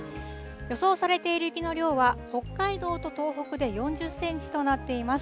予想されている雪の量は、北海道と東北で４０センチとなっています。